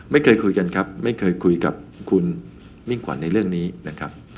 ไม่เคยคุยกันครับไม่เคยคุยกับคุณมิ่งขวัญในเรื่องนี้นะครับ